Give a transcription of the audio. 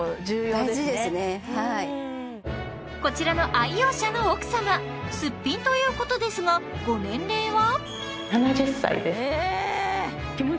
大事ですねこちらの愛用者の奥様すっぴんということですがご年齢は？